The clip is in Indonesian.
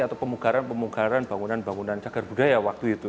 atau pemugaran pemugaran bangunan bangunan cagar budaya waktu itu